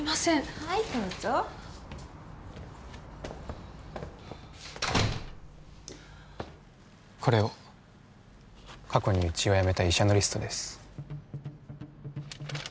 はいどうぞこれを過去にうちを辞めた医者のリストです